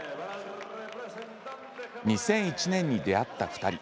２００１年に出会った２人。